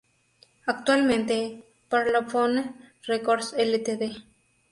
Actualmente Parlophone Records Ltd.